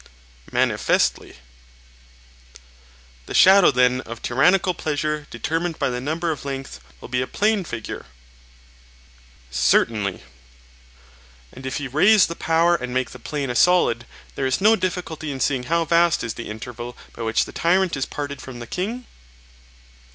Manifestly. The shadow then of tyrannical pleasure determined by the number of length will be a plane figure. Certainly. And if you raise the power and make the plane a solid, there is no difficulty in seeing how vast is the interval by which the tyrant is parted from the king.